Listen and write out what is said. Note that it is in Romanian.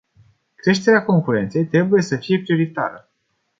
Creșterea concurenței trebuie să fie prioritară.